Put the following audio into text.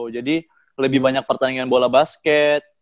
jadi lebih banyak pertandingan bola basket